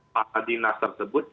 pak dinas tersebut